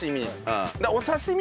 お刺し身。